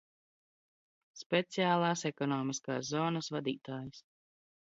Speci?l?s ekonomisk?s zonas vad?t?js.